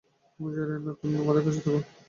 তুমি যাইয়ো না, তুমি আমাদের কাছে থাকো।